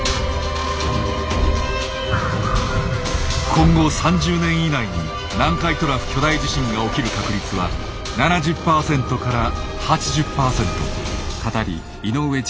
今後３０年以内に南海トラフ巨大地震が起きる確率は７０％から８０％。